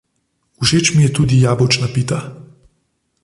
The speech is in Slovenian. Všeč mi je tudi jabolčna pita.